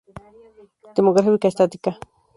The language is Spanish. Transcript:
Demografía estática.